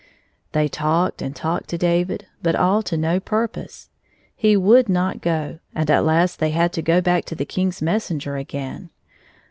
182 They talked and talked to David, but all to no purpose. He would not go, and at last they had to go back to the King's messenger again.